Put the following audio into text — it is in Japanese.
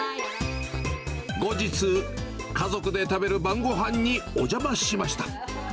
後日、家族で食べる晩ごはんにお邪魔しました。